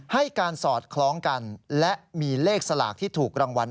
ให้การสอดคล้องกันและมีเลขสลากที่ถูกรางวัล